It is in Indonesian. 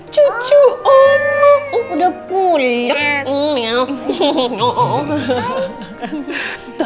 cucu oh udah pulang